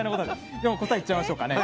では答えいっちゃいましょうかね。